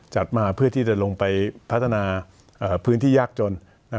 จัดมาเพื่อที่จะลงไปพัฒนาพื้นที่ยากจน